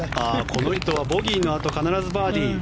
この人はボギーのあと必ずバーディー。